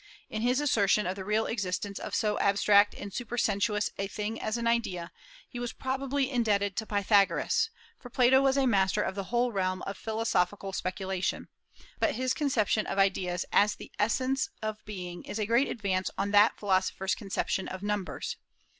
In his assertion of the real existence of so abstract and supersensuous a thing as an idea, he probably was indebted to Pythagoras, for Plato was a master of the whole realm of philosophical speculation; but his conception of ideas as the essence of being is a great advance on that philosopher's conception of numbers.